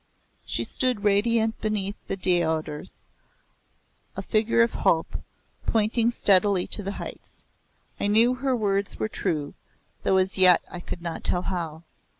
She stood radiant beneath the deodars, a figure of Hope, pointing steadily to the heights. I knew her words were true though as yet I could not tell how.